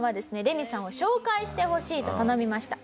レミさんを紹介してほしいと頼みました。